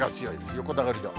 横殴りの雨。